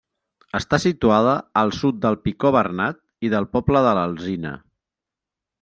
Està situada al sud del Picó Bernat i del poble de l'Alzina.